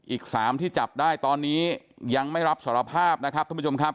อีก๓ที่จับได้ตอนนี้ยังไม่รับสารภาพนะครับท่านผู้ชมครับ